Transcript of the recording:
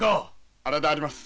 あれであります。